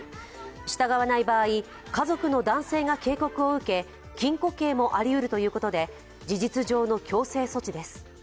従わない場合、家族の男性が警告を受け、禁錮刑もありうるということで、事実上の強制措置です。